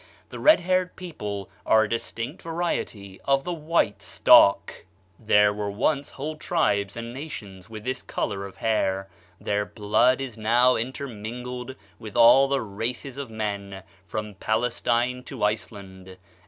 The red haired people are a distinct variety of the white stock; there were once whole tribes and nations with this color of hair; their blood is now intermingled with all the races of men, from Palestine to Iceland.